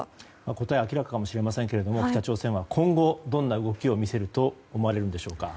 答えは明らかかもしれませんが北朝鮮は今後、どんな動きを見せると思われるんでしょうか。